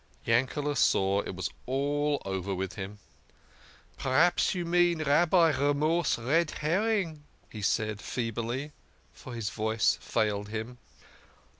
Yanked saw it was all over with him. " P'raps you mean Rabbi Remorse Red herring," he said feebly, for his voice failed him.